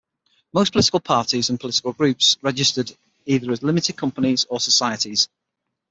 Most political parties and political groups registered either as limited companies or societies.